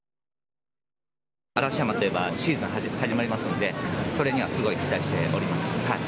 嵐山といえばシーズン始まりますので、それにはすごい期待しております。